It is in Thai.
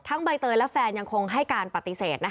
ใบเตยและแฟนยังคงให้การปฏิเสธ